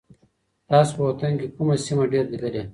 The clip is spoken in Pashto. تاسو په وطن کي کومه سیمه ډېره لیدلې؟